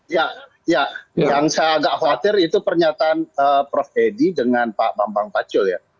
ya ya yang saya agak khawatir itu pernyataan prof edi dengan pak bambang pacul ya